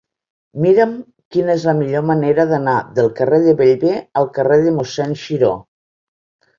Mira'm quina és la millor manera d'anar del carrer de Bellver al carrer de Mossèn Xiró.